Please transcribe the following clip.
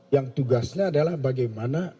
yang tugasnya adalah bagaimana